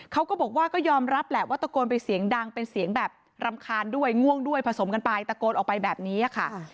เขาก็บอกว่าก็ยอมรับแหละว่าตะโกนไปเสียงดังเป็นเสียงแบบรำคาญด้วยง่วงด้วยผสมกันไปตะโกนออกไปแบบนี้ค่ะ